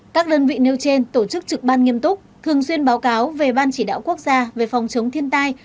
các đơn vị nêu trên tổ chức trực ban nghiêm túc thường xuyên báo cáo về ban chỉ đạo quốc gia về phòng chống thiên tai